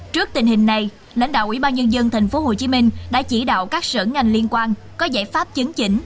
trước tình hình này lãnh đạo ubnd tp hcm đã chỉ đạo các sở ngành liên quan có giải pháp chứng chỉnh